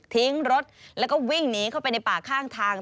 ทิ้งรถแล้วก็วิ่งหนีเข้าไปในป่าข้างทาง